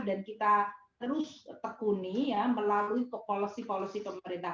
dan kita terus tekuni melalui kepolisi polisi pemerintah